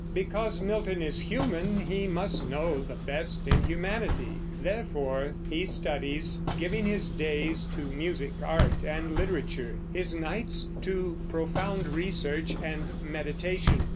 Because Milton is human he must know the best in humanity; therefore he studies, giving his days to music, art, and literature, his nights to profound research and meditation.